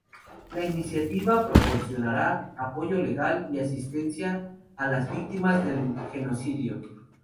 La iniciativa proporcionará apoyo legal y asistencia a las víctimas del genocidio.